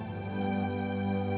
aku tak tahu kenapa